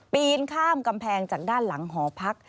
ปีนข้ามกำแพงจากด้านหลังหอพัก